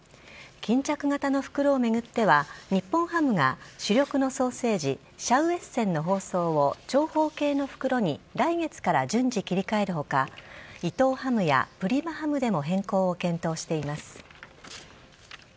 巾着型の袋を巡っては、日本ハムが主力のソーセージ、シャウエッセンの包装を長方形の袋に来月から順次切り替えるほか、伊藤ハムやプリマハムでも変更を検討しています。